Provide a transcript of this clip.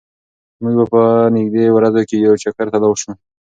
موږ به په نږدې ورځو کې یو چکر ته لاړ شو.